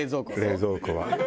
冷蔵庫は。